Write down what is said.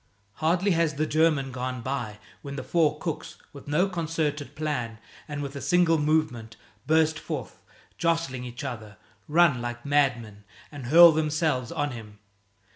Hardly has the German gone by when the four cooks, with no concerted plan and with a single movement, burst forth, jostling each other, run like madmen, and hurl themselves on him.